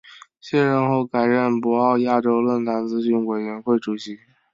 卸任后改任博鳌亚洲论坛咨询委员会主席。